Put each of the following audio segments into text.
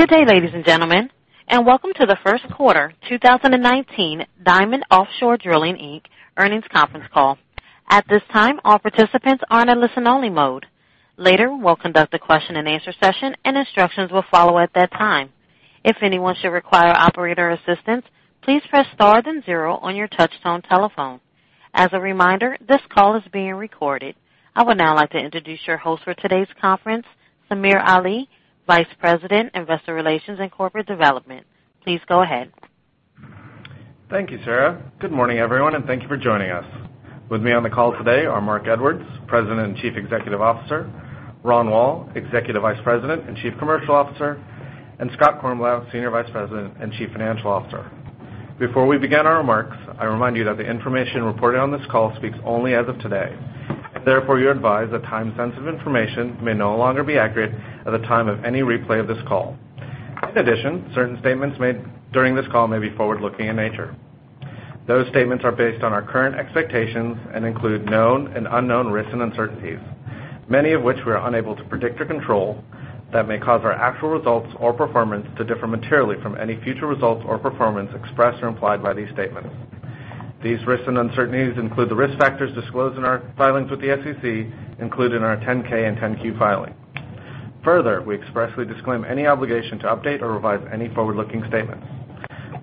Good day, ladies and gentlemen, and welcome to the first quarter 2019 Diamond Offshore Drilling, Inc. earnings conference call. At this time, all participants are in listen only mode. Later, we'll conduct a question and answer session and instructions will follow at that time. If anyone should require operator assistance, please press star then zero on your touch-tone telephone. As a reminder, this call is being recorded. I would now like to introduce your host for today's conference, Samir Ali, Vice President, Investor Relations and Corporate Development. Please go ahead. Thank you, Sarah. Good morning, everyone. Thank you for joining us. With me on the call today are Marc Edwards, President and Chief Executive Officer, Ron Woll, Executive Vice President and Chief Commercial Officer, and Scott Kornblau, Senior Vice President and Chief Financial Officer. Before we begin our remarks, I remind you that the information reported on this call speaks only as of today. You're advised that time-sensitive information may no longer be accurate at the time of any replay of this call. Certain statements made during this call may be forward-looking in nature. Those statements are based on our current expectations and include known and unknown risks and uncertainties, many of which we are unable to predict or control that may cause our actual results or performance to differ materially from any future results or performance expressed or implied by these statements. These risks and uncertainties include the risk factors disclosed in our filings with the SEC, including our 10-K and 10-Q filing. We expressly disclaim any obligation to update or revise any forward-looking statements.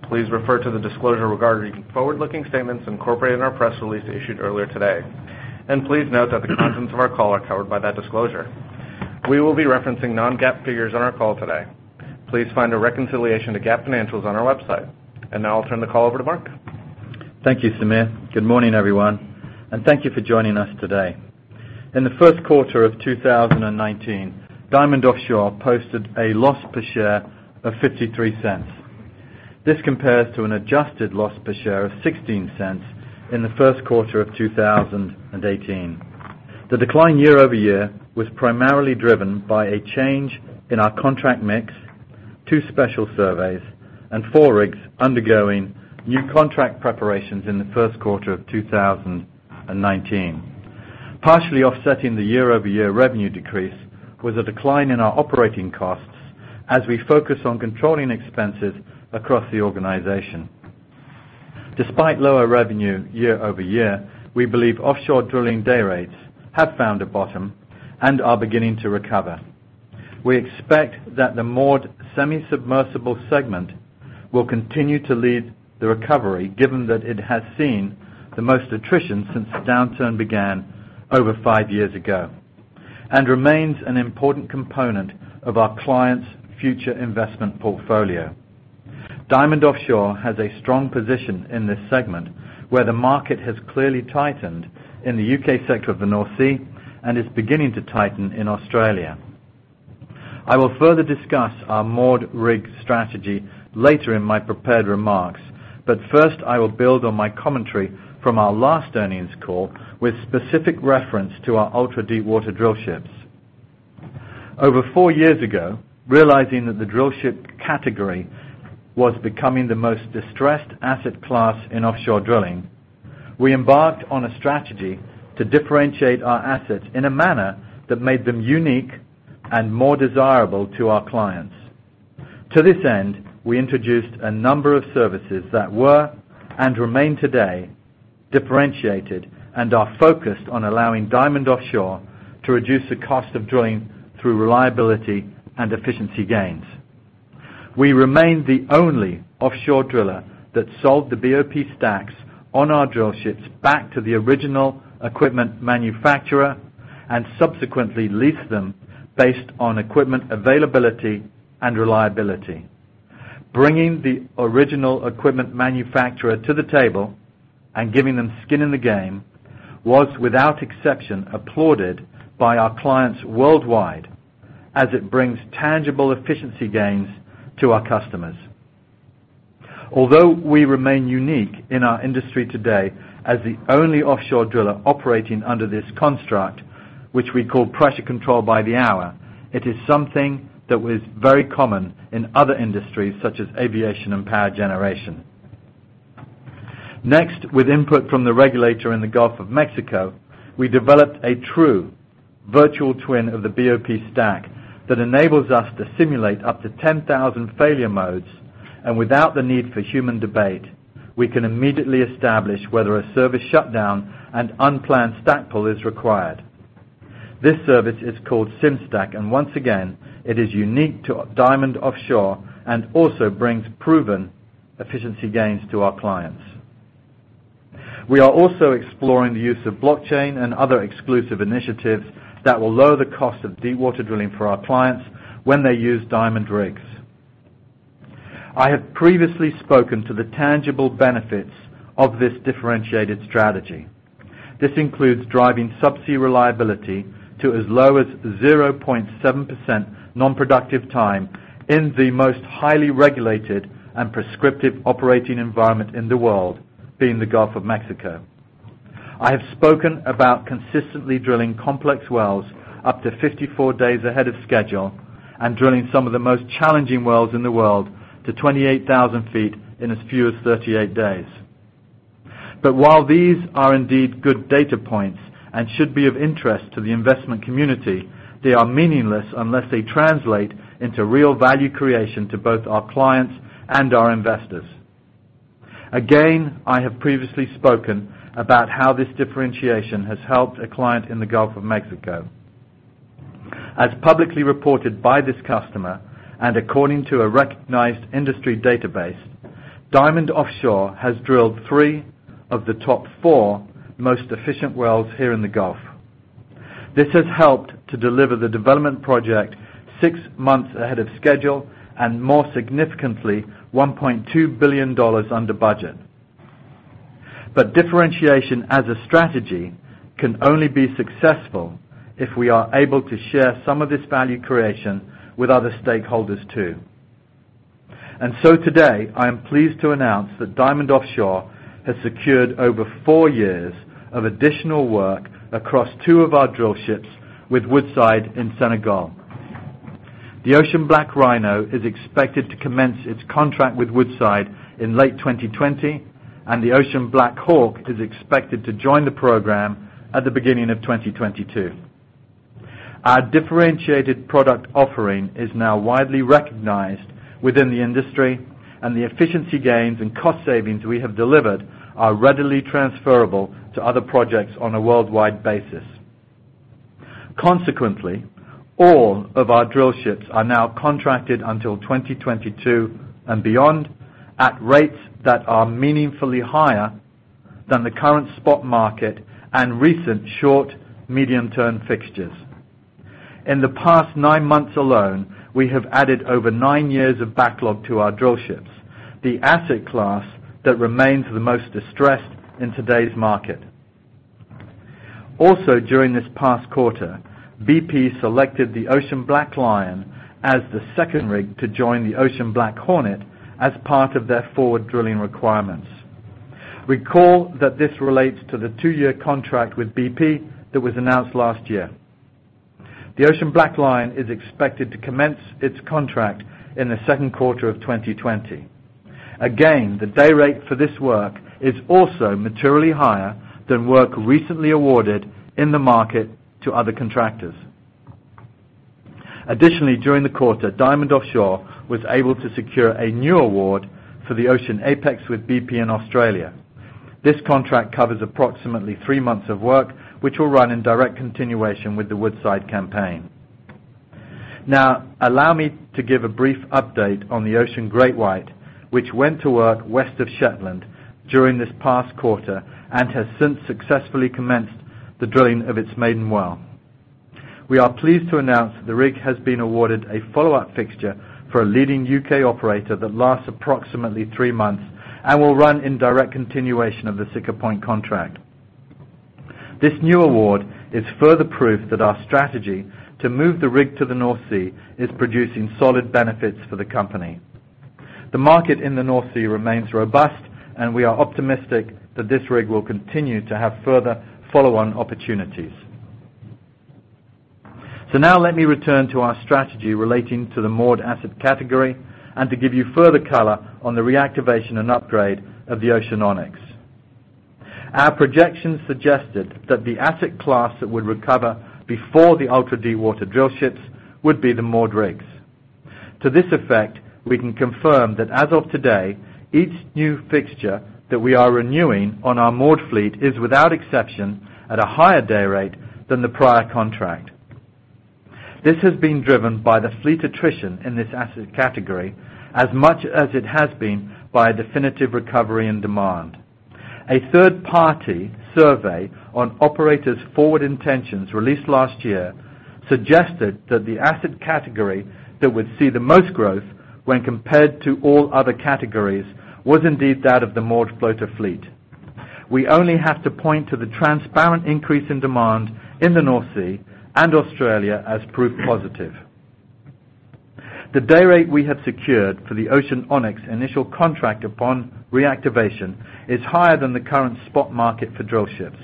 Please refer to the disclosure regarding forward-looking statements incorporated in our press release issued earlier today, and please note that the contents of our call are covered by that disclosure. We will be referencing non-GAAP figures on our call today. Please find a reconciliation to GAAP financials on our website. Now I'll turn the call over to Marc. Thank you, Samir. Good morning, everyone. Thank you for joining us today. In the first quarter of 2019, Diamond Offshore posted a loss per share of $0.53. This compares to an adjusted loss per share of $0.16 in the first quarter of 2018. The decline year-over-year was primarily driven by a change in our contract mix, two special surveys, and four rigs undergoing new contract preparations in the first quarter of 2019. Partially offsetting the year-over-year revenue decrease was a decline in our operating costs as we focus on controlling expenses across the organization. Despite lower revenue year-over-year, we believe offshore drilling day rates have found a bottom and are beginning to recover. We expect that the moored semi-submersible segment will continue to lead the recovery, given that it has seen the most attrition since the downturn began over five years ago and remains an important component of our clients' future investment portfolio. Diamond Offshore has a strong position in this segment, where the market has clearly tightened in the U.K. sector of the North Sea and is beginning to tighten in Australia. I will further discuss our moored rig strategy later in my prepared remarks. First, I will build on my commentary from our last earnings call with specific reference to our ultra-deepwater drillships. Over four years ago, realizing that the drillship category was becoming the most distressed asset class in offshore drilling, we embarked on a strategy to differentiate our assets in a manner that made them unique and more desirable to our clients. To this end, we introduced a number of services that were and remain today differentiated and are focused on allowing Diamond Offshore to reduce the cost of drilling through reliability and efficiency gains. We remain the only offshore driller that sold the BOP stacks on our drillships back to the original equipment manufacturer and subsequently leased them based on equipment availability and reliability. Bringing the original equipment manufacturer to the table and giving them skin in the game was, without exception, applauded by our clients worldwide as it brings tangible efficiency gains to our customers. Although we remain unique in our industry today as the only offshore driller operating under this construct, which we call Pressure Control by the Hour, it is something that was very common in other industries such as aviation and power generation. Next, with input from the regulator in the Gulf of Mexico, we developed a true virtual twin of the BOP stack that enables us to simulate up to 10,000 failure modes, and without the need for human debate, we can immediately establish whether a service shutdown and unplanned stack pull is required. This service is called Sim-Stack, and once again, it is unique to Diamond Offshore and also brings proven efficiency gains to our clients. We are also exploring the use of blockchain and other exclusive initiatives that will lower the cost of deepwater drilling for our clients when they use Diamond rigs. I have previously spoken to the tangible benefits of this differentiated strategy. This includes driving subsea reliability to as low as 0.7% non-productive time in the most highly regulated and prescriptive operating environment in the world, being the Gulf of Mexico. I have spoken about consistently drilling complex wells up to 54 days ahead of schedule and drilling some of the most challenging wells in the world to 28,000 ft in as few as 38 days. While these are indeed good data points and should be of interest to the investment community, they are meaningless unless they translate into real value creation to both our clients and our investors. Again, I have previously spoken about how this differentiation has helped a client in the Gulf of Mexico. As publicly reported by this customer, and according to a recognized industry database, Diamond Offshore has drilled three of the top four most efficient wells here in the Gulf. This has helped to deliver the development project six months ahead of schedule, and more significantly, $1.2 billion under budget. Differentiation as a strategy can only be successful if we are able to share some of this value creation with other stakeholders, too. Today, I am pleased to announce that Diamond Offshore has secured over four years of additional work across two of our drill ships with Woodside in Senegal. The Ocean BlackRhino is expected to commence its contract with Woodside in late 2020, and the Ocean BlackHawk is expected to join the program at the beginning of 2022. Our differentiated product offering is now widely recognized within the industry, and the efficiency gains and cost savings we have delivered are readily transferable to other projects on a worldwide basis. Consequently, all of our drill ships are now contracted until 2022 and beyond at rates that are meaningfully higher than the current spot market and recent short, medium-term fixtures. In the past nine months alone, we have added over nine years of backlog to our drill ships, the asset class that remains the most distressed in today's market. Also during this past quarter, BP selected the Ocean BlackLion as the second rig to join the Ocean BlackHornet as part of their forward drilling requirements. Recall that this relates to the two-year contract with BP that was announced last year. The Ocean BlackLion is expected to commence its contract in the second quarter of 2020. Again, the day rate for this work is also materially higher than work recently awarded in the market to other contractors. Additionally, during the quarter, Diamond Offshore was able to secure a new award for the Ocean Apex with BP in Australia. This contract covers approximately three months of work, which will run in direct continuation with the Woodside campaign. Allow me to give a brief update on the Ocean GreatWhite, which went to work west of Shetland during this past quarter and has since successfully commenced the drilling of its maiden well. We are pleased to announce the rig has been awarded a follow-up fixture for a leading U.K. operator that lasts approximately three months and will run in direct continuation of the Siccar Point contract. This new award is further proof that our strategy to move the rig to the North Sea is producing solid benefits for the company. The market in the North Sea remains robust, and we are optimistic that this rig will continue to have further follow-on opportunities. Let me return to our strategy relating to the moored asset category and to give you further color on the reactivation and upgrade of the Ocean Onyx. Our projections suggested that the asset class that would recover before the ultra-deepwater drill ships would be the moored rigs. To this effect, we can confirm that as of today, each new fixture that we are renewing on our moored fleet is, without exception, at a higher day rate than the prior contract. This has been driven by the fleet attrition in this asset category as much as it has been by a definitive recovery and demand. A third-party survey on operators' forward intentions released last year suggested that the asset category that would see the most growth when compared to all other categories was indeed that of the moored floater fleet. We only have to point to the transparent increase in demand in the North Sea and Australia as proof positive. The day rate we have secured for the Ocean Onyx initial contract upon reactivation is higher than the current spot market for drillships,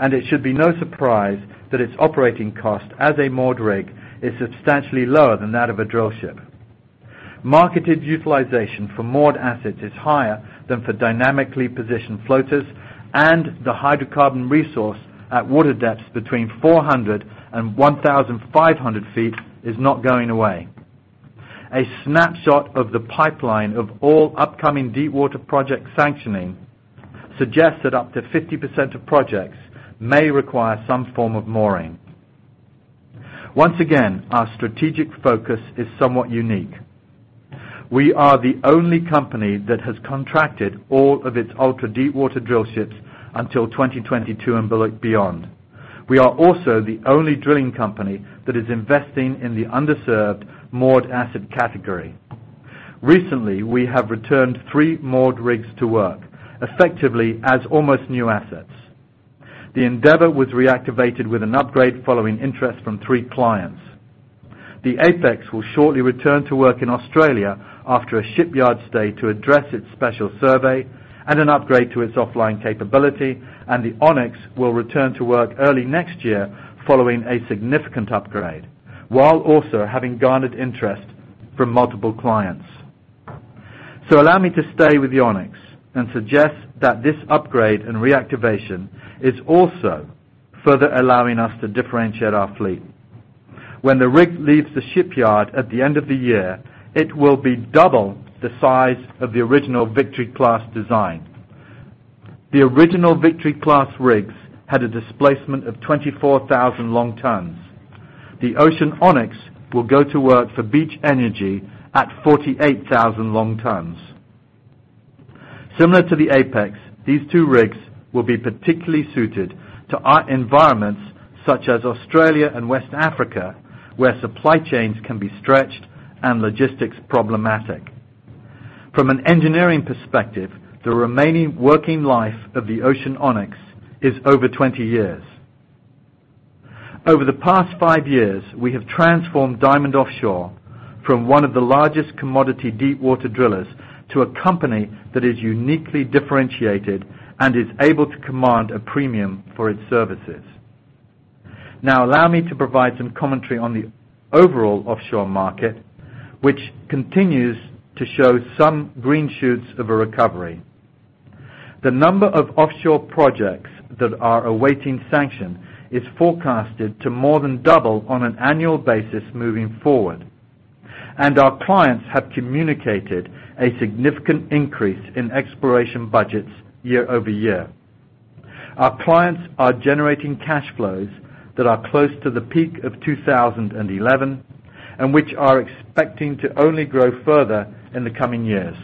and it should be no surprise that its operating cost as a moored rig is substantially lower than that of a drillship. Marketed utilization for moored assets is higher than for dynamically positioned floaters, and the hydrocarbon resource at water depths between 400 and 1,500 ft is not going away. A snapshot of the pipeline of all upcoming deepwater project sanctioning suggests that up to 50% of projects may require some form of mooring. Once again, our strategic focus is somewhat unique. We are the only company that has contracted all of its ultra-deepwater drillships until 2022 and beyond. We are also the only drilling company that is investing in the underserved moored asset category. Recently, we have returned three moored rigs to work effectively as almost new assets. The Endeavor was reactivated with an upgrade following interest from three clients. The Apex will shortly return to work in Australia after a shipyard stay to address its special survey and an upgrade to its offline capability, and the Onyx will return to work early next year following a significant upgrade while also having garnered interest from multiple clients. Allow me to stay with the Onyx and suggest that this upgrade and reactivation is also further allowing us to differentiate our fleet. When the rig leaves the shipyard at the end of the year, it will be double the size of the original Victory class design. The original Victory class rigs had a displacement of 24,000 long tons. The Ocean Onyx will go to work for Beach Energy at 48,000 long tons. Similar to the Apex, these two rigs will be particularly suited to our environments such as Australia and West Africa, where supply chains can be stretched and logistics problematic. From an engineering perspective, the remaining working life of the Ocean Onyx is over 20 years. Over the past five years, we have transformed Diamond Offshore from one of the largest commodity deepwater drillers, to a company that is uniquely differentiated and is able to command a premium for its services. Allow me to provide some commentary on the overall offshore market, which continues to show some green shoots of a recovery. The number of offshore projects that are awaiting sanction is forecasted to more than double on an annual basis moving forward, and our clients have communicated a significant increase in exploration budgets year-over-year. Our clients are generating cash flows that are close to the peak of 2011, and which are expecting to only grow further in the coming years.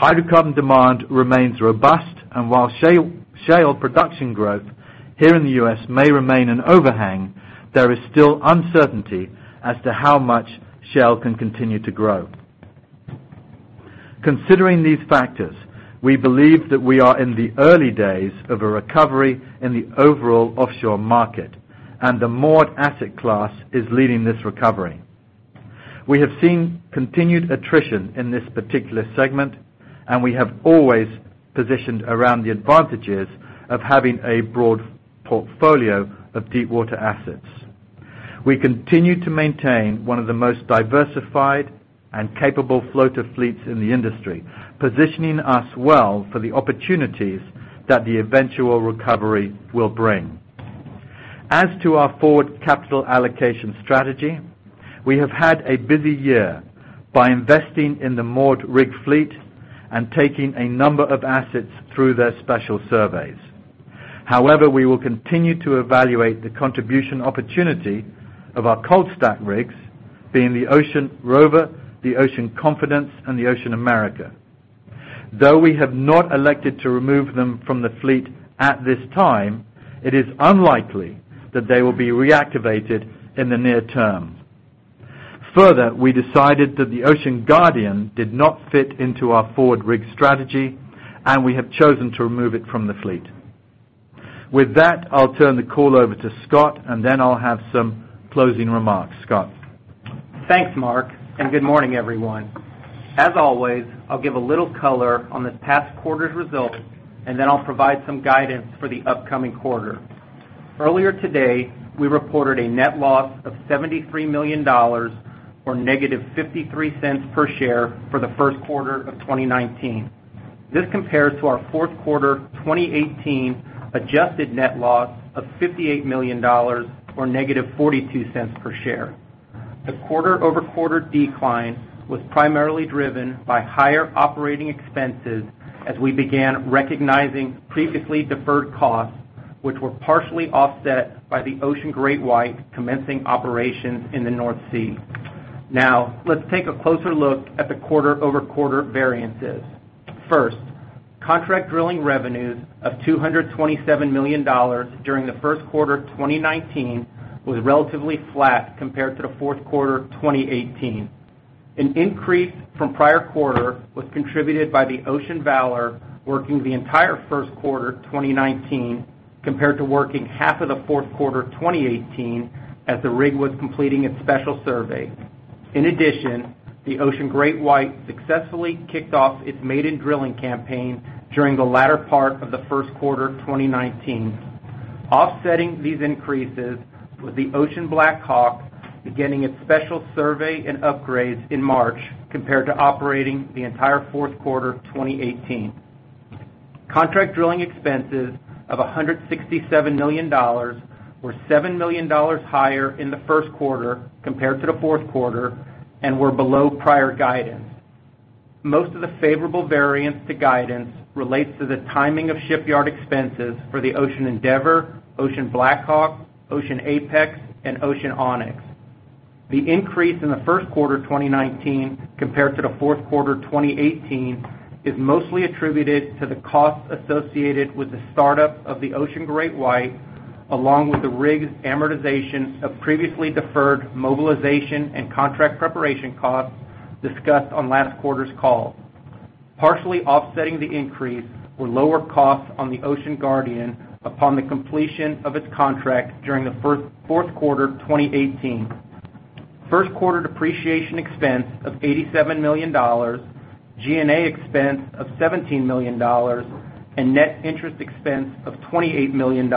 Hydrocarbon demand remains robust, and while shale production growth here in the U.S. may remain an overhang, there is still uncertainty as to how much shale can continue to grow. Considering these factors, we believe that we are in the early days of a recovery in the overall offshore market, and the moored asset class is leading this recovery. We have seen continued attrition in this particular segment, and we have always positioned around the advantages of having a broad portfolio of deepwater assets. We continue to maintain one of the most diversified and capable floater fleets in the industry, positioning us well for the opportunities that the eventual recovery will bring. As to our forward capital allocation strategy, we have had a busy year by investing in the moored rig fleet and taking a number of assets through their special surveys. We will continue to evaluate the contribution opportunity of our cold stack rigs, being the Ocean Rover, the Ocean Confidence, and the Ocean America. Though we have not elected to remove them from the fleet at this time, it is unlikely that they will be reactivated in the near term. We decided that the Ocean Guardian did not fit into our forward rig strategy, and we have chosen to remove it from the fleet. I'll turn the call over to Scott, and then I'll have some closing remarks. Scott? Thanks, Marc, good morning, everyone. As always, I'll give a little color on this past quarter's results, then I'll provide some guidance for the upcoming quarter. Earlier today, we reported a net loss of $73 million, or -$0.53 per share for the first quarter of 2019. This compares to our fourth quarter 2018 adjusted net loss of $58 million, or -$0.42 per share. The quarter-over-quarter decline was primarily driven by higher operating expenses as we began recognizing previously deferred costs, which were partially offset by the Ocean GreatWhite commencing operations in the North Sea. Let's take a closer look at the quarter-over-quarter variances. Contract drilling revenues of $227 million during the first quarter 2019 was relatively flat compared to the fourth quarter 2018. An increase from prior quarter was contributed by the Ocean Valor working the entire first quarter 2019, compared to working half of the fourth quarter 2018 as the rig was completing its special survey. The Ocean GreatWhite successfully kicked off its maiden drilling campaign during the latter part of the first quarter 2019. Offsetting these increases was the Ocean BlackHawk beginning its special survey and upgrades in March, compared to operating the entire fourth quarter 2018. Contract drilling expenses of $167 million were $7 million higher in the first quarter compared to the fourth quarter and were below prior guidance. Most of the favorable variance to guidance relates to the timing of shipyard expenses for the Ocean Endeavor, Ocean BlackHawk, Ocean Apex, and Ocean Onyx. The increase in the first quarter 2019 compared to the fourth quarter 2018 is mostly attributed to the costs associated with the startup of the Ocean GreatWhite, along with the rig's amortization of previously deferred mobilization and contract preparation costs discussed on last quarter's call. Partially offsetting the increase were lower costs on the Ocean Guardian upon the completion of its contract during the fourth quarter 2018. First quarter depreciation expense of $87 million, G&A expense of $17 million and net interest expense of $28 million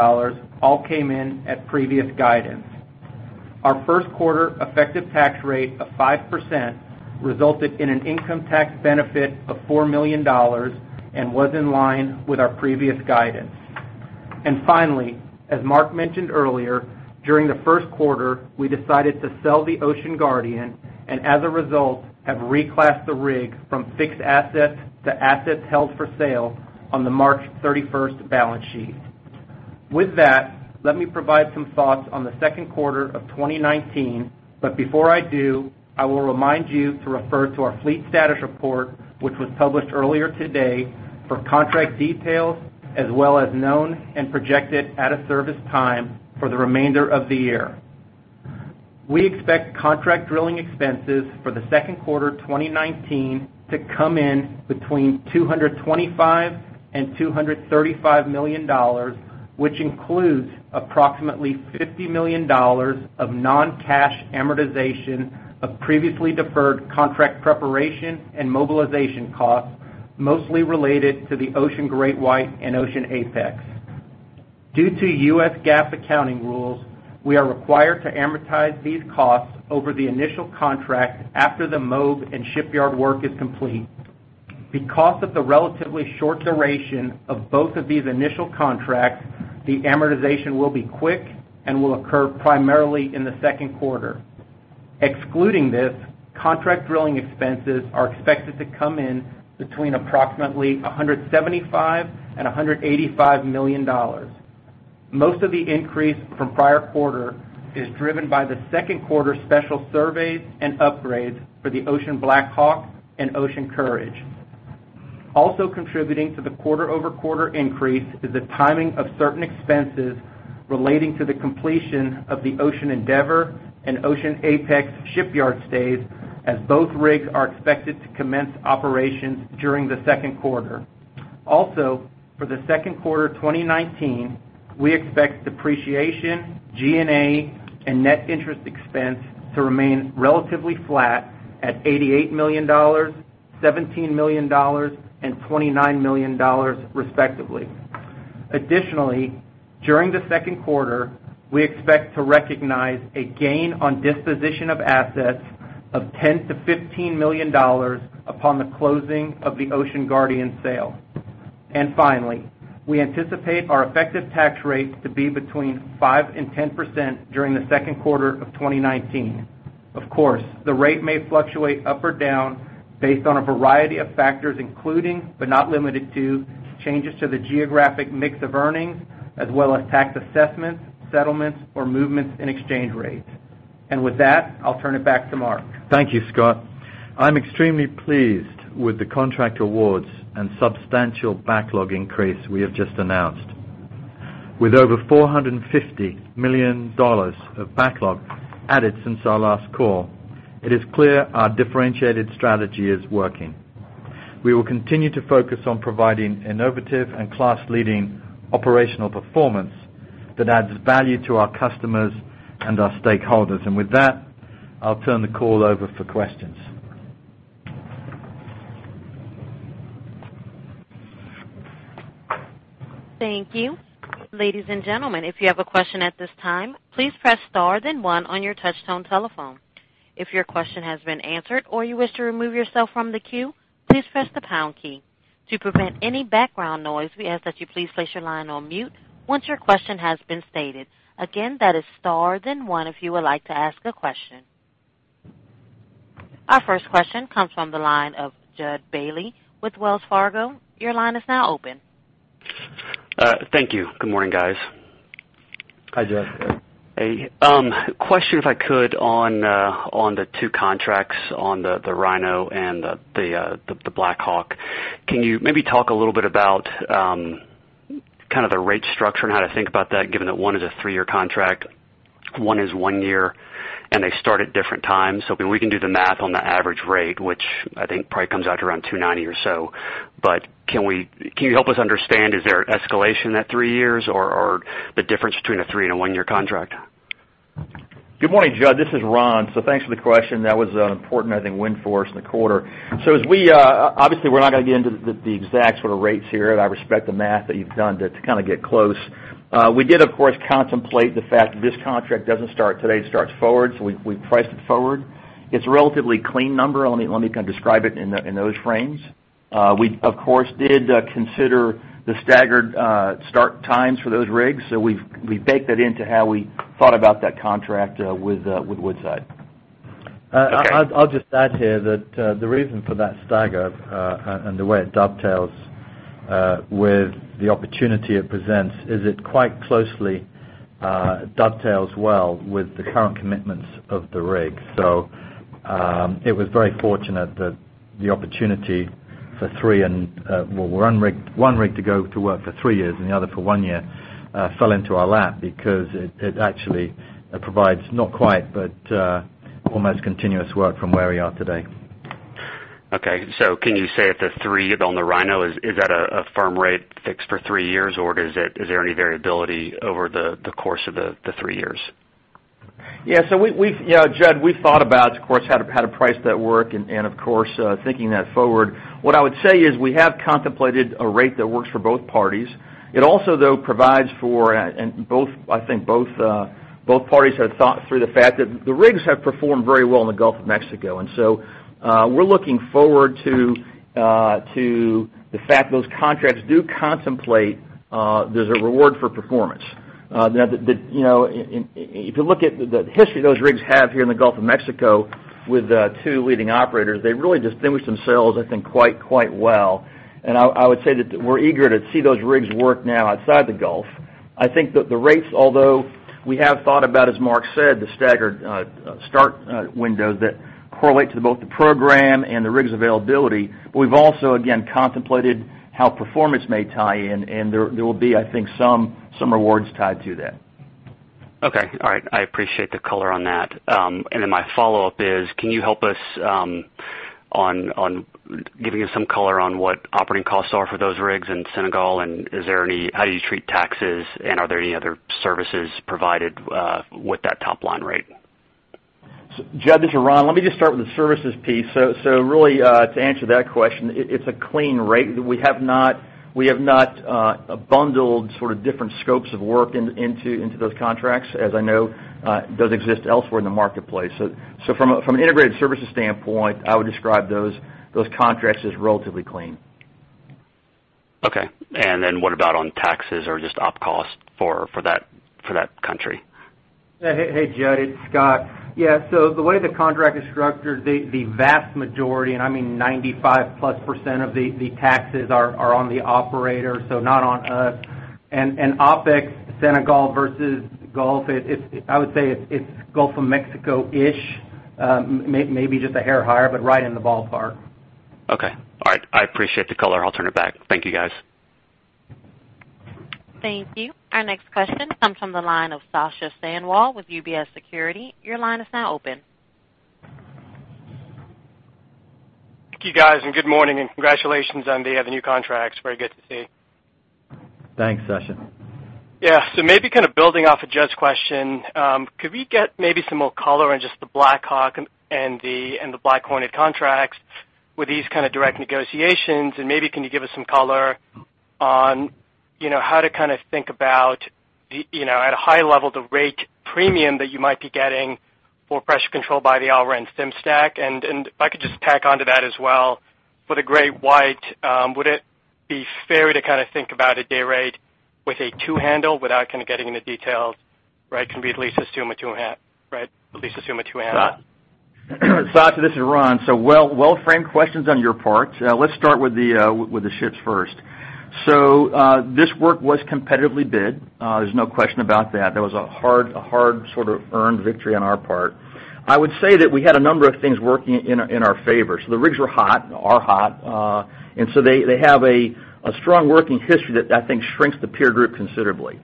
all came in at previous guidance. Our first quarter effective tax rate of 5% resulted in an income tax benefit of $4 million and was in line with our previous guidance. Finally, as Marc mentioned earlier, during the first quarter, we decided to sell the Ocean Guardian, and as a result, have reclassed the rig from fixed assets to assets held for sale on the March 31st balance sheet. With that, let me provide some thoughts on the second quarter 2019, but before I do, I will remind you to refer to our fleet status report, which was published earlier today for contract details, as well as known and projected out-of-service time for the remainder of the year. We expect contract drilling expenses for the second quarter 2019 to come in between $225 million and $235 million, which includes approximately $50 million of non-cash amortization of previously deferred contract preparation and mobilization costs, mostly related to the Ocean GreatWhite and Ocean Apex. Due to U.S. GAAP accounting rules, we are required to amortize these costs over the initial contract after the mobe and shipyard work is complete. Because of the relatively short duration of both of these initial contracts, the amortization will be quick and will occur primarily in the second quarter. Excluding this, contract drilling expenses are expected to come in between approximately $175 million and $185 million. Most of the increase from prior quarter is driven by the second quarter special surveys and upgrades for the Ocean BlackHawk and Ocean Courage. Also contributing to the quarter-over-quarter increase is the timing of certain expenses relating to the completion of the Ocean Endeavor and Ocean Apex shipyard stays, as both rigs are expected to commence operations during the second quarter. For the second quarter 2019, we expect depreciation, G&A, and net interest expense to remain relatively flat at $88 million, $17 million and $29 million respectively. Additionally, during the second quarter, we expect to recognize a gain on disposition of assets of $10 million-$15 million upon the closing of the Ocean Guardian sale. Finally, we anticipate our effective tax rate to be between 5% and 10% during the second quarter 2019. Of course, the rate may fluctuate up or down based on a variety of factors, including, but not limited to, changes to the geographic mix of earnings as well as tax assessments, settlements, or movements in exchange rates. With that, I'll turn it back to Marc. Thank you, Scott. I'm extremely pleased with the contract awards and substantial backlog increase we have just announced. With over $450 million of backlog added since our last call, it is clear our differentiated strategy is working. We will continue to focus on providing innovative and class-leading operational performance that adds value to our customers and our stakeholders. With that, I'll turn the call over for questions. Thank you. Ladies and gentlemen, if you have a question at this time, please press star then one on your touch-tone telephone. If your question has been answered or you wish to remove yourself from the queue, please press the pound key. To prevent any background noise, we ask that you please place your line on mute once your question has been stated. Again, that is star then one if you would like to ask a question. Our first question comes from the line of Jud Bailey with Wells Fargo. Your line is now open. Thank you. Good morning, guys. Hi, Jud. Hey. Question, if I could, on the two contracts on the Rhino and the BlackHawk. Can you maybe talk a little bit about the rate structure and how to think about that, given that one is a three-year contract, one is one year, and they start at different times? We can do the math on the average rate, which I think probably comes out to around $290 or so. Can you help us understand, is there an escalation in that three years or the difference between a three and a one-year contract? Good morning, Jud. This is Ron. Thanks for the question. That was an important, I think, win for us in the quarter. Obviously, we're not going to get into the exact sort of rates here, and I respect the math that you've done to kind of get close. We did, of course, contemplate the fact that this contract doesn't start today, it starts forward. We priced it forward. It's a relatively clean number. Let me kind of describe it in those frames. We, of course, did consider the staggered start times for those rigs. We baked that into how we thought about that contract with Woodside. Okay. I'll just add here that the reason for that stagger, and the way it dovetails with the opportunity it presents is it quite closely dovetails well with the current commitments of the rig. It was very fortunate that the opportunity for one rig to go to work for three years and the other for one year fell into our lap because it actually provides, not quite, but almost continuous work from where we are today. Okay. Can you say if the three on the Rhino, is that a firm rate fixed for three years, or is there any variability over the course of the three years? Yeah. Jud, we've thought about, of course, how to price that work and, of course, thinking that forward. What I would say is we have contemplated a rate that works for both parties. It also, though, provides for, and I think both parties have thought through the fact that the rigs have performed very well in the Gulf of Mexico. We're looking forward to the fact those contracts do contemplate there's a reward for performance. If you look at the history those rigs have here in the Gulf of Mexico with two leading operators, they really distinguish themselves, I think, quite well. I would say that we're eager to see those rigs work now outside the Gulf. I think that the rates, although we have thought about, as Marc said, the staggered start windows that correlate to both the program and the rig's availability, but we've also, again, contemplated how performance may tie in, and there will be, I think, some rewards tied to that. Okay. All right. I appreciate the color on that. My follow-up is, can you help us on giving us some color on what operating costs are for those rigs in Senegal, and how do you treat taxes, and are there any other services provided with that top-line rate? Jud, this is Ron. Let me just start with the services piece. Really, to answer that question, it's a clean rate. We have not bundled different scopes of work into those contracts, as I know does exist elsewhere in the marketplace. From an integrated services standpoint, I would describe those contracts as relatively clean. Okay. What about on taxes or just op cost for that country? Hey, Jud, it's Scott. Yeah. The way the contract is structured, the vast majority, and I mean, 95%+ of the taxes are on the operator, not on us. OpEx Senegal versus Gulf, I would say it's Gulf of Mexico-ish, maybe just a hair higher, but right in the ballpark. Okay. All right. I appreciate the color. I'll turn it back. Thank you, guys. Thank you. Our next question comes from the line of Sasha Sanwal with UBS Securities. Your line is now open. Thank you, guys. Good morning, and congratulations on the new contracts. Very good to see. Thanks, Sasha. Yeah. Maybe kind of building off of Jud's question, could we get maybe some more color on just the BlackHawk and the BlackHornet contracts with these kind of direct negotiations? Maybe, can you give us some color on how to think about, at a high level, the rate premium that you might be getting for Pressure Control by the Hour and Sim-Stack? If I could just tack onto that as well, for the GreatWhite, would it be fair to think about a day rate with a two handle without getting into details? Can we at least assume a 2.5? Sasha, this is Ron. Well-framed questions on your part. Let's start with the ships first. This work was competitively bid. There's no question about that. That was a hard sort of earned victory on our part. I would say that we had a number of things working in our favor. The rigs are hot, they have a strong working history that I think shrinks the peer group considerably.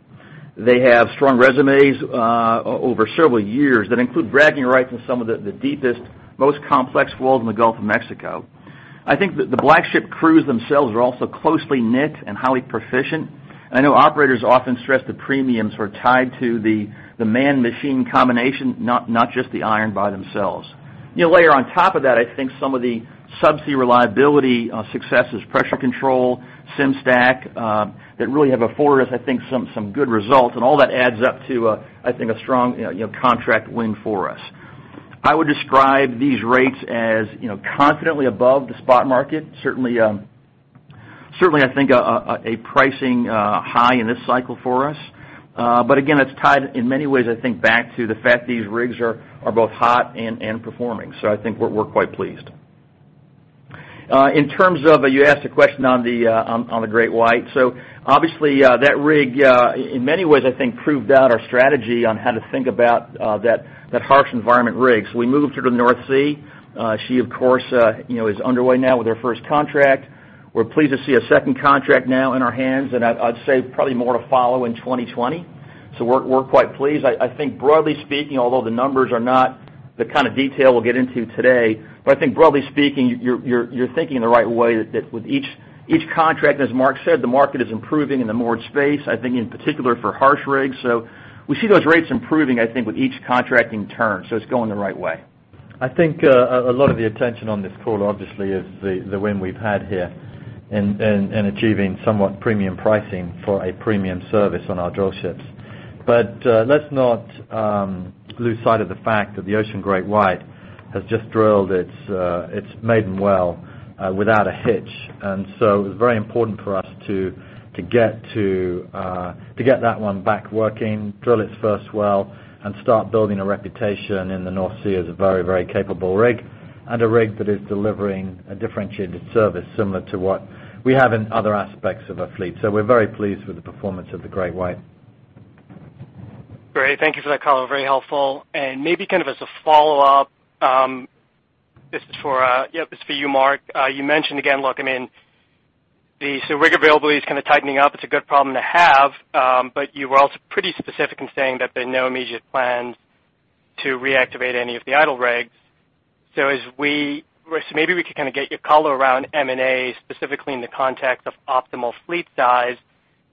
They have strong resumes over several years that include bragging rights in some of the deepest, most complex wells in the Gulf of Mexico. I think the Black Ship crews themselves are also closely knit and highly proficient. I know operators often stress the premiums are tied to the man-machine combination, not just the iron by themselves. Layer on top of that, I think, some of the subsea reliability successes, Pressure Control, Sim-Stack, that really have afforded us, I think, some good results, all that adds up to a strong contract win for us. I would describe these rates as confidently above the spot market. Certainly, I think, a pricing high in this cycle for us. Again, it's tied, in many ways, I think, back to the fact these rigs are both hot and performing. I think we're quite pleased. In terms of, you asked a question on the GreatWhite. Obviously, that rig, in many ways, I think, proved out our strategy on how to think about that harsh environment rig. We moved her to the North Sea. She, of course, is underway now with her first contract. We're pleased to see a second contract now in our hands, I'd say probably more to follow in 2020. We're quite pleased. I think broadly speaking, although the numbers are not the kind of detail we'll get into today, I think broadly speaking, you're thinking the right way that with each contract, as Marc said, the market is improving in the moored space, I think, in particular for harsh rigs. We see those rates improving, I think, with each contracting turn. It's going the right way. I think a lot of the attention on this call, obviously, is the win we've had here in achieving somewhat premium pricing for a premium service on our drillships. Let's not lose sight of the fact that the Ocean GreatWhite has just drilled its maiden well without a hitch. It was very important for us to get that one back working, drill its first well, and start building a reputation in the North Sea as a very capable rig, and a rig that is delivering a differentiated service similar to what we have in other aspects of our fleet. We're very pleased with the performance of the GreatWhite. Great. Thank you for that color. Very helpful. Maybe as a follow-up, this is for you, Marc. You mentioned again, look, I mean, the rig availability is kind of tightening up. It's a good problem to have. You were also pretty specific in saying that there are no immediate plans to reactivate any of the idle rigs. Maybe we could get your color around M&A, specifically in the context of optimal fleet size,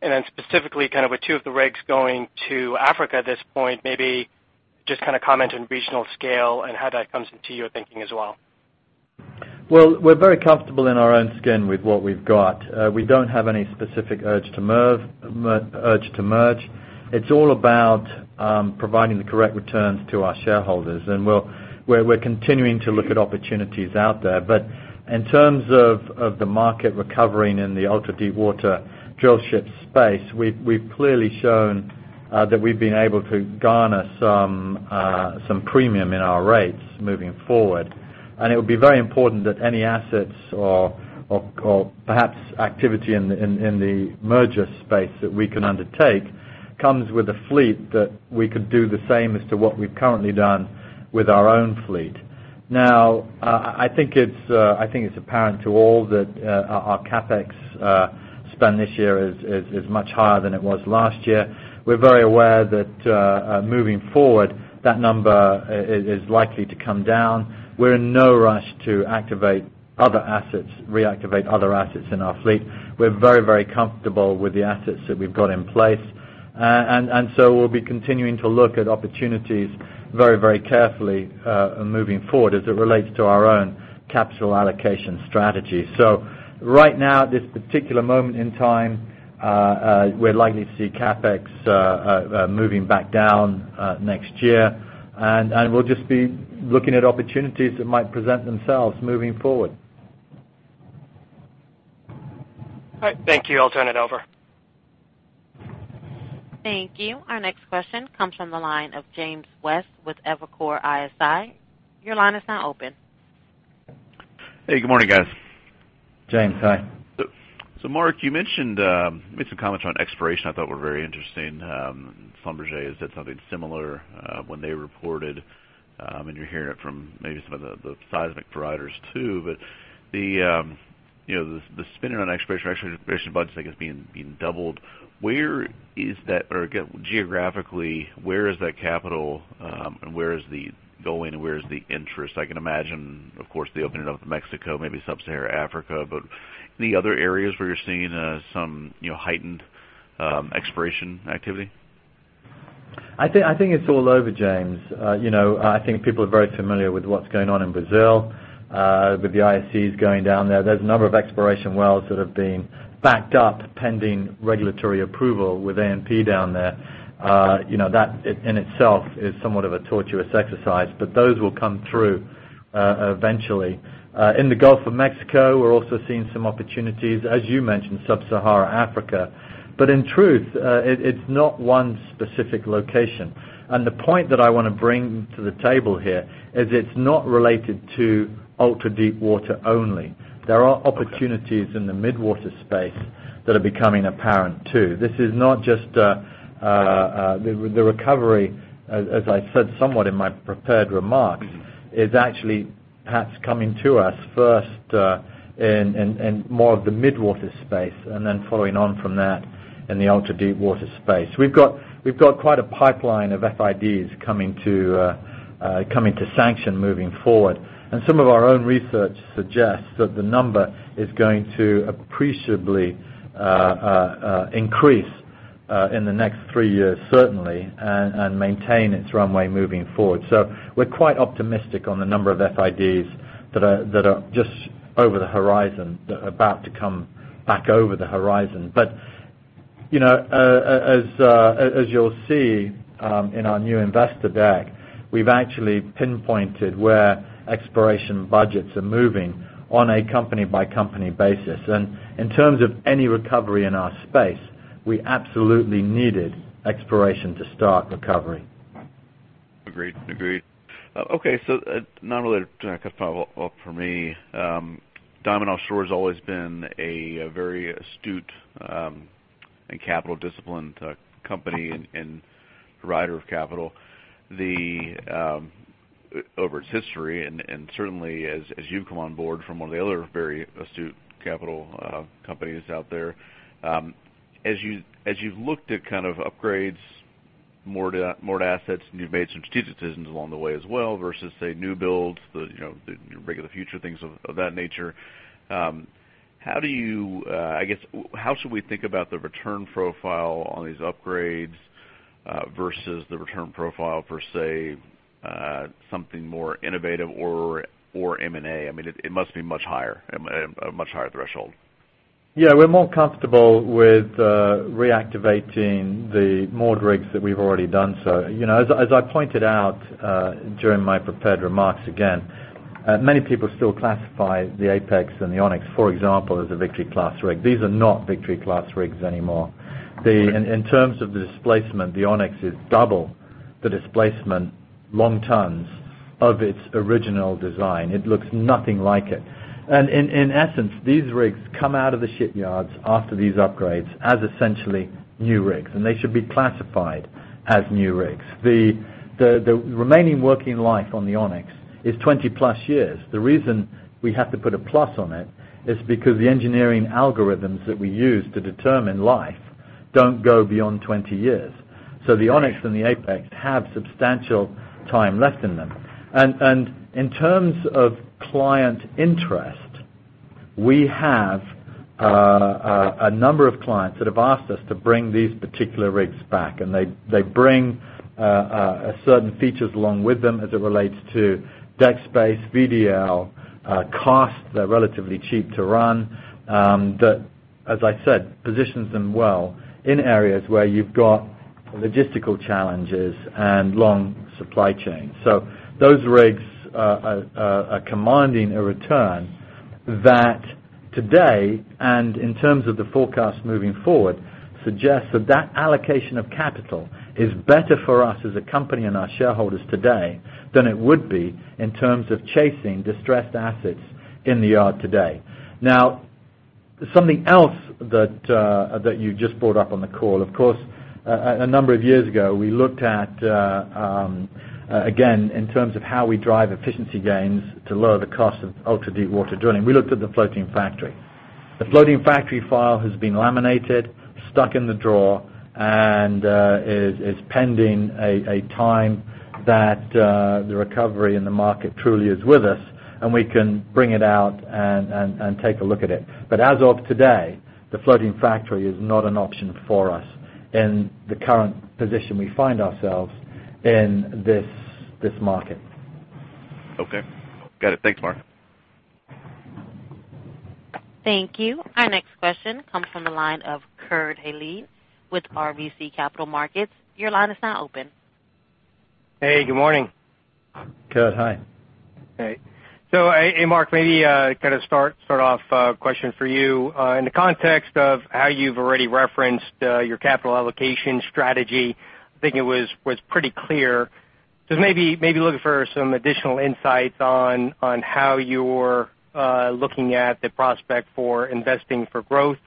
and then specifically with two of the rigs going to Africa at this point, maybe just comment on regional scale and how that comes into your thinking as well. Well, we're very comfortable in our own skin with what we've got. We don't have any specific urge to merge. It's all about providing the correct returns to our shareholders. We're continuing to look at opportunities out there. In terms of the market recovering in the ultra-deepwater drillship space, we've clearly shown that we've been able to garner some premium in our rates moving forward. It would be very important that any assets or perhaps activity in the merger space that we can undertake comes with a fleet that we could do the same as to what we've currently done with our own fleet. I think it's apparent to all that our CapEx spend this year is much higher than it was last year. We're very aware that moving forward, that number is likely to come down. We're in no rush to reactivate other assets in our fleet. We're very comfortable with the assets that we've got in place. We'll be continuing to look at opportunities very carefully, moving forward as it relates to our own capital allocation strategy. Right now, at this particular moment in time, we're likely to see CapEx moving back down next year. We'll just be looking at opportunities that might present themselves moving forward. All right. Thank you. I'll turn it over. Thank you. Our next question comes from the line of James West with Evercore ISI. Your line is now open. Hey, good morning, guys. James, hi. Marc, you mentioned, made some comments on exploration I thought were very interesting. Schlumberger has said something similar when they reported, you are hearing it from maybe some of the seismic providers, too. The spending on exploration budgets, I guess, being doubled. Geographically, where is that capital and where is the going and where is the interest? I can imagine, of course, the opening up of Mexico, maybe Sub-Sahara Africa, any other areas where you are seeing some heightened exploration activity? I think it is all over, James. I think people are very familiar with what is going on in Brazil with the IOCs going down there. There is a number of exploration wells that have been backed up pending regulatory approval with ANP down there. That in itself is somewhat of a torturous exercise, but those will come through eventually. In the Gulf of Mexico, we are also seeing some opportunities, as you mentioned, Sub-Sahara Africa. In truth, it is not one specific location. The point that I want to bring to the table here is it is not related to ultra-deepwater only. There are opportunities in the mid-water space that are becoming apparent, too. The recovery, as I said somewhat in my prepared remarks, is actually perhaps coming to us first in more of the mid-water space, then following on from that in the ultra-deepwater space. We have got quite a pipeline of FIDs coming to sanction moving forward. Some of our own research suggests that the number is going to appreciably increase in the next three years, certainly, and maintain its runway moving forward. We are quite optimistic on the number of FIDs that are just over the horizon, that are about to come back over the horizon. As you will see in our new investor deck, we have actually pinpointed where exploration budgets are moving on a company-by-company basis. In terms of any recovery in our space, we absolutely needed exploration to start recovering. Agreed. Okay. Not related to that, because probably for me, Diamond Offshore has always been a very astute and capital disciplined company and provider of capital over its history, and certainly as you've come on board from one of the other very astute capital companies out there. As you've looked at upgrades, moored assets, and you've made some strategic decisions along the way as well versus, say, new builds, the rig of the future, things of that nature. I guess, how should we think about the return profile on these upgrades versus the return profile for, say, something more innovative or M&A? It must be a much higher threshold. Yeah, we're more comfortable with reactivating the moored rigs that we've already done so. As I pointed out during my prepared remarks, again, many people still classify the Apex and the Onyx, for example, as a Victory class rig. These are not Victory class rigs anymore. In terms of the displacement, the Onyx is double the displacement long tons of its original design. It looks nothing like it. In essence, these rigs come out of the shipyards after these upgrades as essentially new rigs, and they should be classified as new rigs. The remaining working life on the Onyx is 20+ years. The reason we have to put a plus on it is because the engineering algorithms that we use to determine life don't go beyond 20 years. The Onyx and the Apex have substantial time left in them. In terms of client interest, we have a number of clients that have asked us to bring these particular rigs back, and they bring certain features along with them as it relates to deck space, VDL, cost, they're relatively cheap to run. That, as I said, positions them well in areas where you've got logistical challenges and long supply chains. Those rigs are commanding a return that today, and in terms of the forecast moving forward, suggests that allocation of capital is better for us as a company and our shareholders today than it would be in terms of chasing distressed assets in the yard today. Something else that you just brought up on the call. Of course, a number of years ago, we looked at, again, in terms of how we drive efficiency gains to lower the cost of ultra-deep water drilling, we looked at the Floating Factory. The Floating Factory file has been laminated, stuck in the drawer, and is pending a time that the recovery in the market truly is with us, and we can bring it out and take a look at it. As of today, the Floating Factory is not an option for us in the current position we find ourselves in this market. Okay. Got it. Thanks, Marc. Thank you. Our next question comes from the line of Kurt Hallead with RBC Capital Markets. Your line is now open. Hey, good morning. Kurt, hi. Hey. Marc, maybe kind of start off, question for you. In the context of how you've already referenced your capital allocation strategy, I think it was pretty clear. Just maybe looking for some additional insights on how you're looking at the prospect for investing for growth,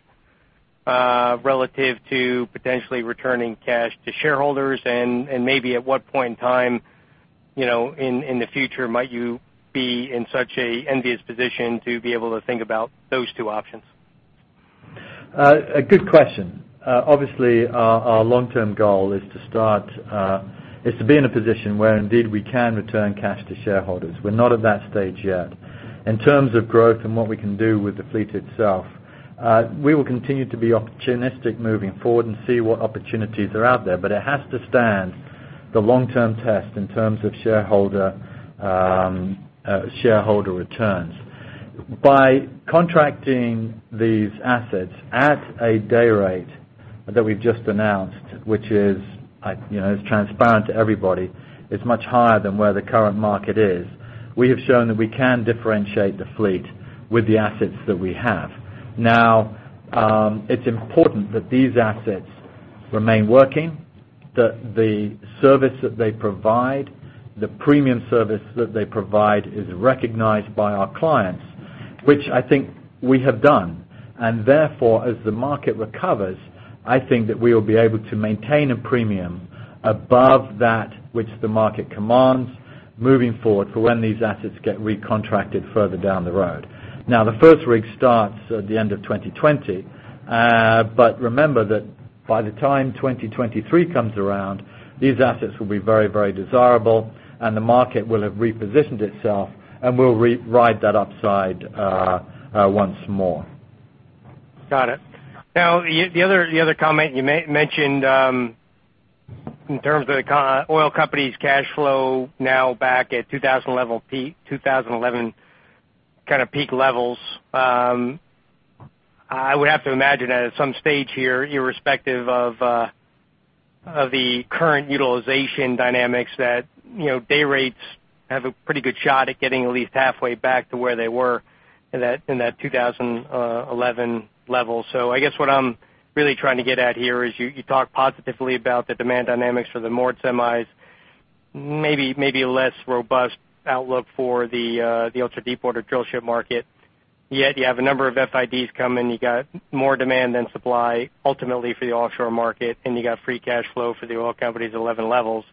relative to potentially returning cash to shareholders and maybe at what point in time in the future might you be in such an envious position to be able to think about those two options? A good question. Obviously, our long-term goal is to be in a position where indeed we can return cash to shareholders. We're not at that stage yet. In terms of growth and what we can do with the fleet itself, we will continue to be opportunistic moving forward and see what opportunities are out there. It has to stand the long-term test in terms of shareholder returns. By contracting these assets at a day rate that we've just announced, which is transparent to everybody, it's much higher than where the current market is. We have shown that we can differentiate the fleet with the assets that we have. It's important that these assets remain working, that the service that they provide, the premium service that they provide, is recognized by our clients, which I think we have done. Therefore, as the market recovers, I think that we will be able to maintain a premium above that which the market commands moving forward for when these assets get recontracted further down the road. The first rig starts at the end of 2020. Remember that by the time 2023 comes around, these assets will be very desirable and the market will have repositioned itself, and we'll ride that upside once more. Got it. The other comment you mentioned in terms of the oil company's cash flow now back at 2011 peak, 2011 kind of peak levels. I would have to imagine that at some stage here, irrespective of the current utilization dynamics, that day rates have a pretty good shot at getting at least halfway back to where they were in that 2011 level. I guess what I'm really trying to get at here is you talk positively about the demand dynamics for the moored semis, maybe less robust outlook for the ultra-deepwater drillship market. You have a number of FIDs coming, you got more demand than supply ultimately for the offshore market, and you got free cash flow for the oil companies at 2011 levels.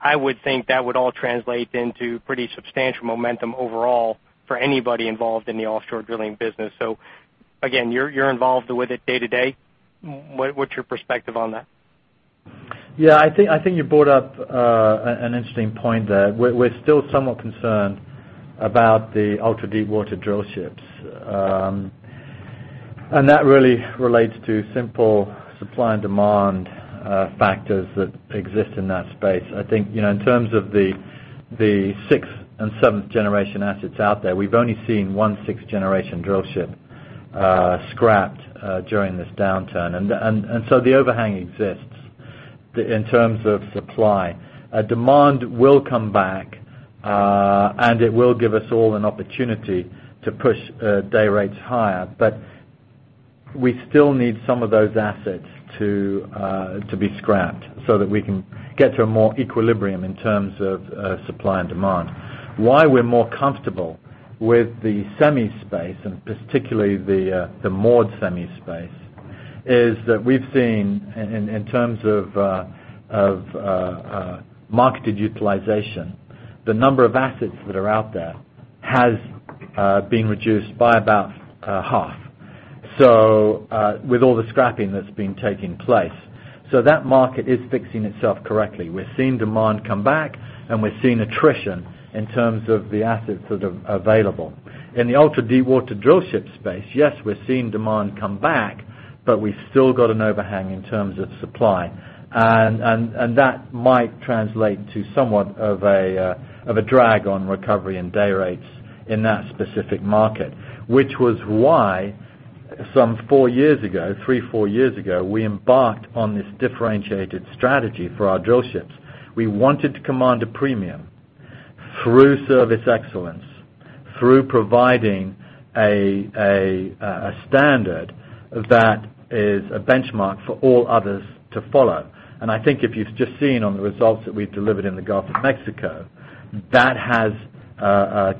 I would think that would all translate into pretty substantial momentum overall for anybody involved in the offshore drilling business. Again, you're involved with it day-to-day. What's your perspective on that? I think you brought up an interesting point there. We're still somewhat concerned about the ultra-deepwater drillships. That really relates to simple supply and demand factors that exist in that space. I think, in terms of the 6th and 7th-generation assets out there, we've only seen one 6th-generation drillship scrapped during this downturn. The overhang exists in terms of supply. Demand will come back, and it will give us all an opportunity to push day rates higher. We still need some of those assets to be scrapped so that we can get to a more equilibrium in terms of supply and demand. Why we're more comfortable with the semi space, and particularly the moored semi space, is that we've seen, in terms of marketed utilization, the number of assets that are out there has been reduced by about half with all the scrapping that's been taking place. That market is fixing itself correctly. We're seeing demand come back, and we're seeing attrition in terms of the assets that are available. In the ultra-deepwater drillship space, yes, we're seeing demand come back, we've still got an overhang in terms of supply. That might translate to somewhat of a drag on recovery and day rates in that specific market. Which was why some four years ago, three, four years ago, we embarked on this differentiated strategy for our drillships. We wanted to command a premium through service excellence, through providing a standard that is a benchmark for all others to follow. I think if you've just seen on the results that we've delivered in the Gulf of Mexico, that has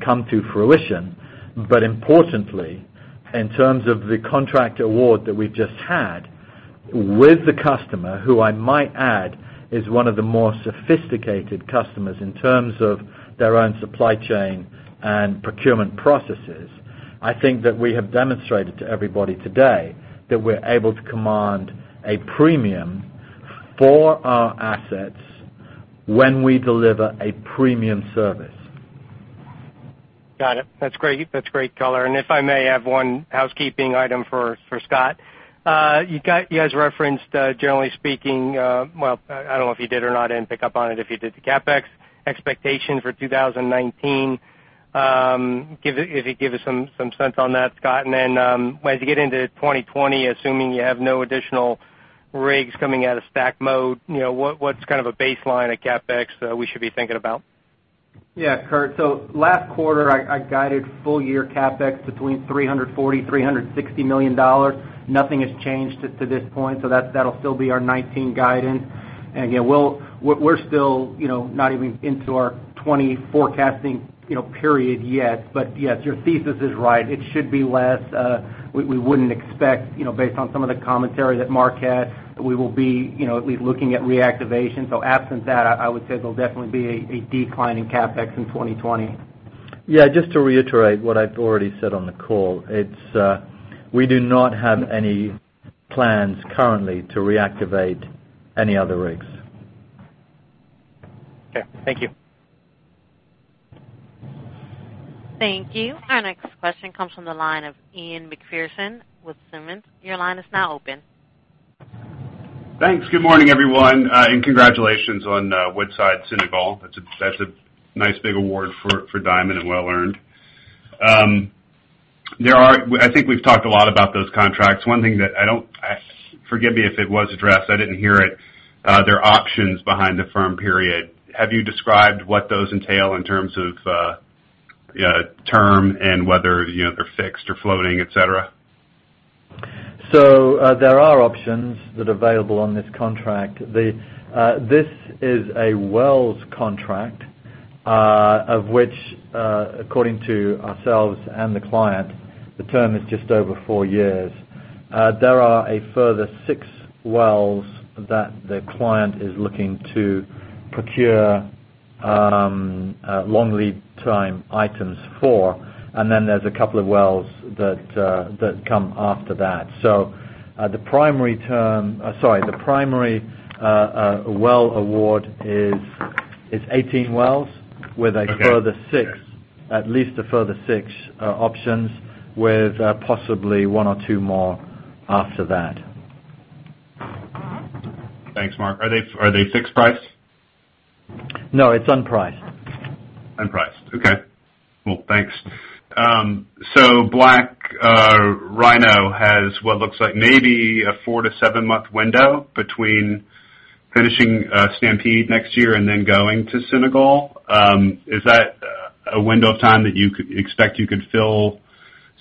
come to fruition. Importantly, in terms of the contract award that we've just had, with the customer, who I might add, is one of the more sophisticated customers in terms of their own supply chain and procurement processes. I think that we have demonstrated to everybody today that we're able to command a premium for our assets when we deliver a premium service. Got it. That's great color. If I may have one housekeeping item for Scott. You guys referenced, generally speaking-- well, I don't know if you did or not. I didn't pick up on it if you did the CapEx expectation for 2019. If you give us some sense on that, Scott, then as you get into 2020, assuming you have no additional rigs coming out of stack mode, what's kind of a baseline at CapEx that we should be thinking about? Kurt. Last quarter, I guided full-year CapEx between $340 million-$360 million. Nothing has changed to this point, so that'll still be our 2019 guidance. We're still not even into our 2020 forecasting period yet. Yes, your thesis is right. It should be less. We wouldn't expect, based on some of the commentary that Marc had, we will be at least looking at reactivation. Absent that, I would say there'll definitely be a decline in CapEx in 2020. Just to reiterate what I've already said on the call. We do not have any plans currently to reactivate any other rigs. Okay. Thank you. Thank you. Our next question comes from the line of Ian Macpherson with Simmons. Your line is now open. Thanks. Good morning, everyone, and congratulations on Woodside Senegal. That's a nice big award for Diamond and well-earned. I think we've talked a lot about those contracts. One thing that, forgive me if it was addressed, I didn't hear it, there are options behind the firm period. Have you described what those entail in terms of term and whether they're fixed or floating, et cetera? There are options that are available on this contract. This is a wells contract, of which, according to ourselves and the client, the term is just over four years. There are a further six wells that the client is looking to procure long lead time items for, there's a couple of wells that come after that. The primary well award is 18 wells- Okay. With at least a further six options, with possibly one or two more after that. Thanks, Marc. Are they fixed price? No, it's unpriced. Unpriced. Okay. Well, thanks. BlackRhino has what looks like maybe a four to seven-month window between finishing Stampede next year and then going to Senegal. Is that a window of time that you could expect you could fill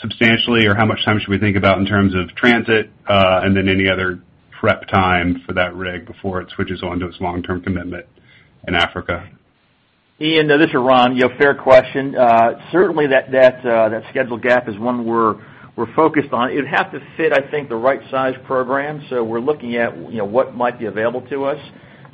substantially? Or how much time should we think about in terms of transit? And then any other prep time for that rig before it switches on to its long-term commitment in Africa? Ian, this is Ron. Fair question. Certainly, that schedule gap is one we're focused on. It would have to fit, I think, the right size program. We're looking at what might be available to us.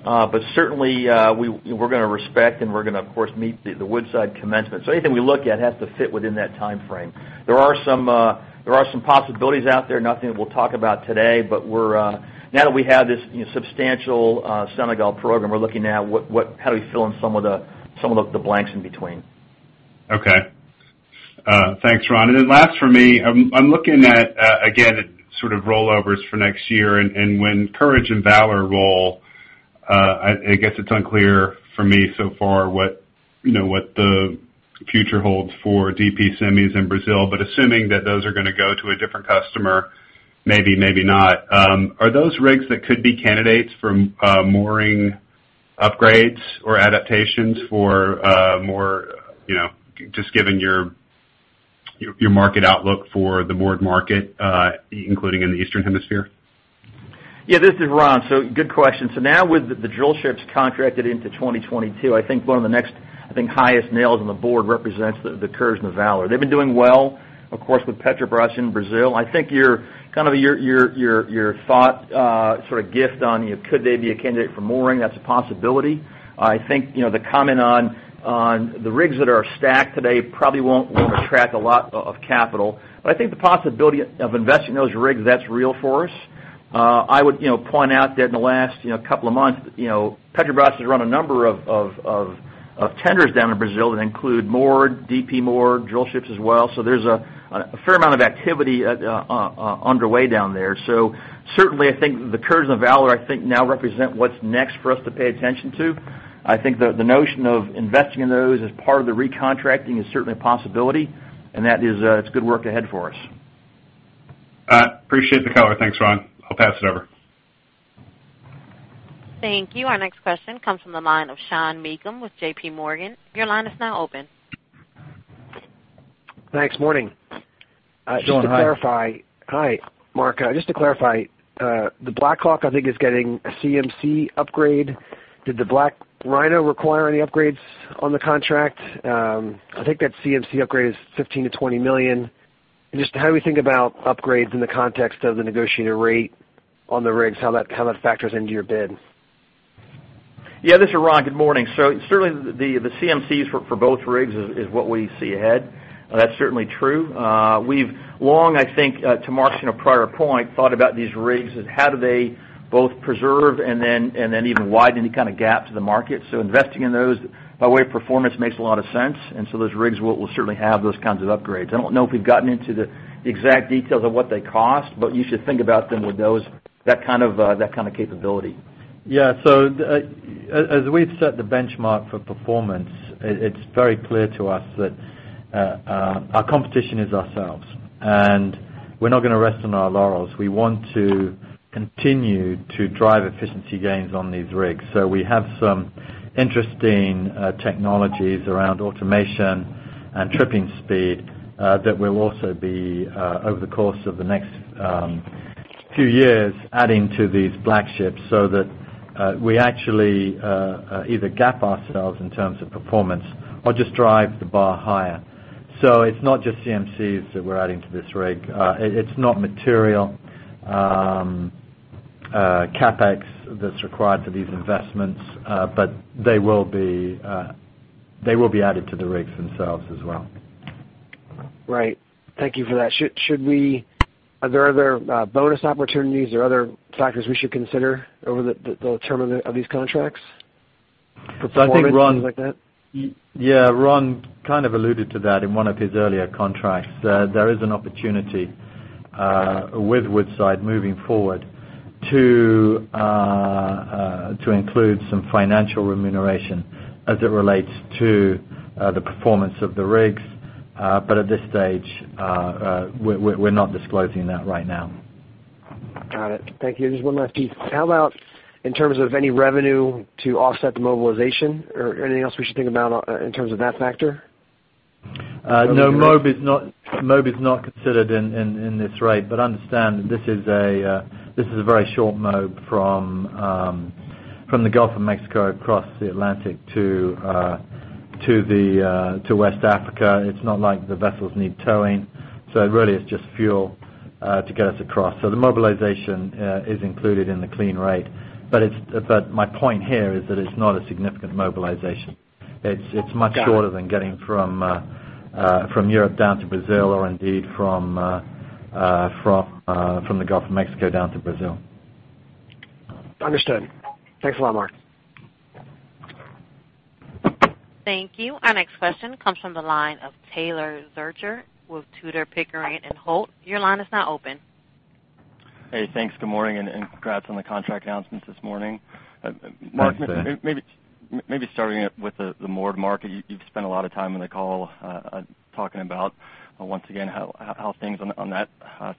But certainly, we're going to respect and we're going to, of course, meet the Woodside commencement. Anything we look at has to fit within that timeframe. There are some possibilities out there. Nothing that we'll talk about today, but now that we have this substantial Senegal program, we're looking at how do we fill in some of the blanks in between. Okay. Thanks, Ron. Last for me, I'm looking at, again, sort of rollovers for next year and when Courage and Valor roll, I guess it's unclear for me so far what the future holds for DP semis in Brazil. Assuming that those are going to go to a different customer, maybe not, are those rigs that could be candidates for mooring upgrades or adaptations for more, just given your market outlook for the moored market, including in the eastern hemisphere? Yeah, this is Ron. Good question. Now with the drillships contracted into 2022, I think one of the next highest nails on the board represents the Courage and the Valor. They've been doing well, of course, with Petrobras in Brazil. I think your thought sort of hit on, could they be a candidate for mooring? That's a possibility. I think, the comment on the rigs that are stacked today probably won't attract a lot of capital. I think the possibility of investing in those rigs, that's real for us. I would point out that in the last couple of months, Petrobras has run a number of tenders down in Brazil that include moored, DP moored, drillships as well. There's a fair amount of activity underway down there. Certainly, I think the Courage and the Valor, I think now represent what's next for us to pay attention to. I think the notion of investing in those as part of the recontracting is certainly a possibility, and that is good work ahead for us. I appreciate the color. Thanks, Ron. I'll pass it over. Thank you. Our next question comes from the line of Sean Meakim with JPMorgan. Your line is now open. Thanks. Morning. Sean, hi. Hi. Marc, just to clarify, the BlackHawk, I think, is getting a CMC upgrade. Did the BlackRhino require any upgrades on the contract? I think that CMC upgrade is $15 million-$20 million. Just how we think about upgrades in the context of the negotiated rate on the rigs, how that factors into your bid. This is Ron. Good morning. Certainly the CMCs for both rigs is what we see ahead. That's certainly true. We've long, I think, to Marc's prior point, thought about these rigs and how do they both preserve and then even widen any kind of gap to the market. Investing in those by way of performance makes a lot of sense. Those rigs will certainly have those kinds of upgrades. I don't know if we've gotten into the exact details of what they cost, but you should think about them with those, that kind of capability. As we've set the benchmark for performance, it's very clear to us that our competition is ourselves, and we're not going to rest on our laurels. We want to continue to drive efficiency gains on these rigs. We have some interesting technologies around automation and tripping speed that we'll also be, over the course of the next few years, adding to these Black Ships so that we actually either gap ourselves in terms of performance or just drive the bar higher. It's not just CMCs that we're adding to this rig. It's not material CapEx that's required for these investments. They will be added to the rigs themselves as well. Right. Thank you for that. Are there other bonus opportunities or other factors we should consider over the term of these contracts for performance, things like that? Ron kind of alluded to that in one of his earlier contracts. There is an opportunity with Woodside moving forward to include some financial remuneration as it relates to the performance of the rigs. At this stage, we're not disclosing that right now. Got it. Thank you. Just one last piece. How about in terms of any revenue to offset the mobilization or anything else we should think about in terms of that factor? No, mob is not considered in this rate. Understand that this is a very short mob from the Gulf of Mexico across the Atlantic to West Africa. It's not like the vessels need towing. It really is just fuel to get us across. The mobilization is included in the clean rate. My point here is that it's not a significant mobilization. It's much shorter than getting from Europe down to Brazil or indeed from the Gulf of Mexico down to Brazil. Understood. Thanks a lot, Marc. Thank you. Our next question comes from the line of Taylor Zurcher with Tudor, Pickering, Holt. Your line is now open. Hey, thanks. Good morning, congrats on the contract announcements this morning. Thanks, Taylor. Marc, maybe starting with the moored market. You've spent a lot of time on the call talking about, once again, how things on that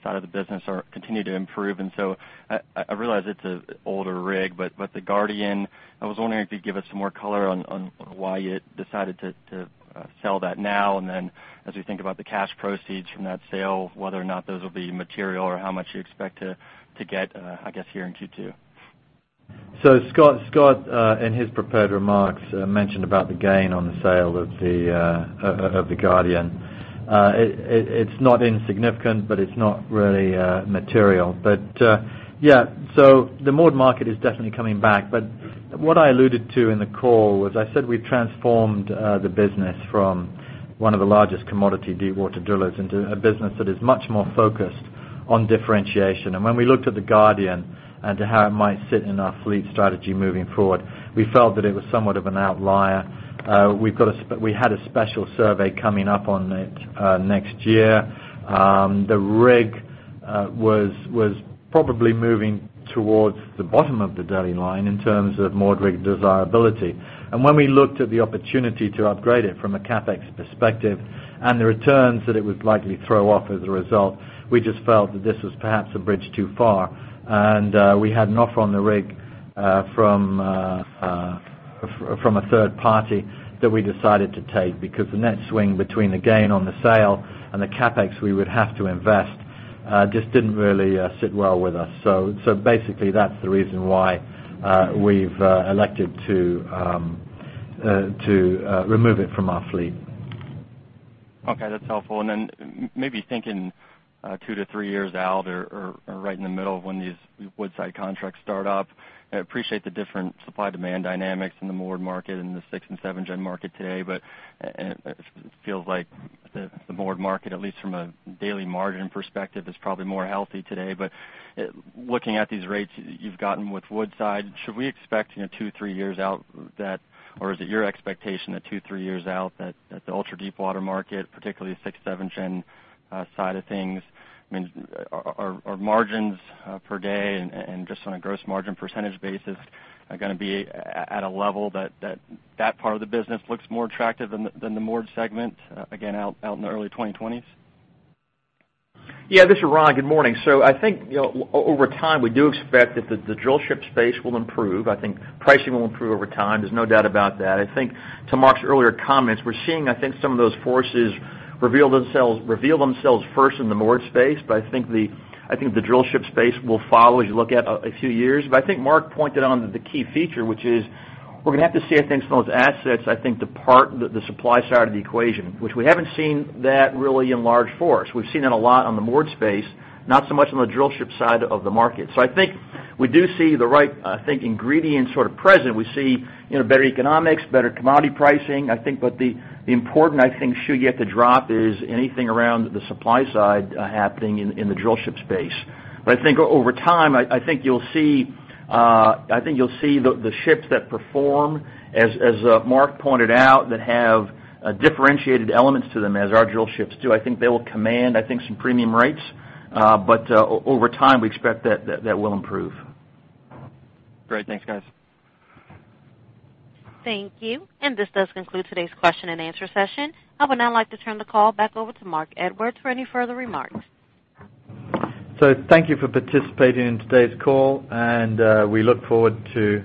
side of the business continue to improve. I realize it's an older rig, but the Guardian, I was wondering if you'd give us some more color on why you decided to sell that now. As we think about the cash proceeds from that sale, whether or not those will be material or how much you expect to get, I guess, here in Q2. Scott, in his prepared remarks, mentioned about the gain on the sale of the Guardian. It's not insignificant, it's not really material. The moored market is definitely coming back. What I alluded to in the call was I said we've transformed the business from one of the largest commodity deepwater drillers into a business that is much more focused on differentiation. When we looked at the Guardian and to how it might sit in our fleet strategy moving forward, we felt that it was somewhat of an outlier. We had a Special Survey coming up on it next year. The rig was probably moving towards the bottom of the daily line in terms of moored rig desirability. When we looked at the opportunity to upgrade it from a CapEx perspective and the returns that it would likely throw off as a result, we just felt that this was perhaps a bridge too far. We had an offer on the rig from a third party that we decided to take because the net swing between the gain on the sale and the CapEx we would have to invest just didn't really sit well with us. Basically, that's the reason why we've elected to remove it from our fleet. Okay, that's helpful. Then maybe thinking two to three years out or right in the middle of when these Woodside contracts start up. I appreciate the different supply-demand dynamics in the moored market and the 6th and 7th-gen market today, it feels like the moored market, at least from a daily margin perspective, is probably healthier today. Looking at these rates you've gotten with Woodside, is it your expectation that two, three years out that the ultra-deepwater market, particularly the 6th, 7th-gen side of things, are margins per day and just on a gross margin percentage basis are going to be at a level that part of the business looks more attractive than the moored segment, again, out in the early 2020s? This is Ron. Good morning. I think, over time, we do expect that the drillship space will improve. I think pricing will improve over time. There's no doubt about that. I think to Marc's earlier comments, we're seeing, I think, some of those forces reveal themselves first in the moored space. I think the drillship space will follow as you look out a few years. I think Marc pointed out the key feature, which is we're going to have to see, I think, some of those assets depart the supply side of the equation, which we haven't seen that really in large force. We've seen it a lot in the moored space, not so much on the drillship side of the market. I think we do see the right ingredients sort of present. We see better economics, better commodity pricing. The important shoe yet to drop is anything around the supply side happening in the drillship space. I think over time, you'll see the ships that perform, as Marc pointed out, that have differentiated elements to them, as our drillships do. I think they will command some premium rates. Over time, we expect that will improve. Great. Thanks, guys. Thank you. This does conclude today's question-and-answer session. I would now like to turn the call back over to Marc Edwards for any further remarks. Thank you for participating in today's call, and we look forward to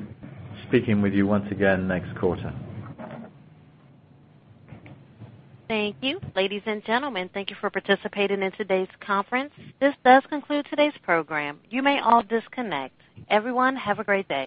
speaking with you once again next quarter. Thank you. Ladies and gentlemen, thank you for participating in today's conference. This does conclude today's program. You may all disconnect. Everyone, have a great day.